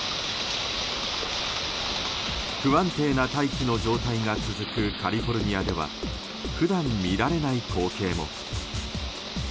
不安定な大気の状態が続くカリフォルニアでは普段見られない光景も。